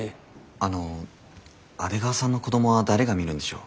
あの阿出川さんの子供は誰が見るんでしょう？